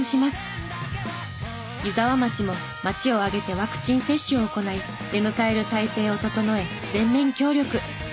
湯沢町も町を上げてワクチン接種を行い出迎える態勢を整え全面協力。